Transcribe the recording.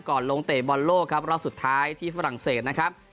ลงเตะบอลโลกครับรอบสุดท้ายที่ฝรั่งเศสนะครับ